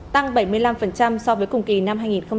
tăng bảy mươi năm so với cùng kỳ năm hai nghìn hai mươi ba